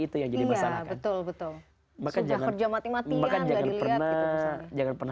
itu yang jadi masalah kan iya betul betul maka jangan kerja mati matian jangan pernah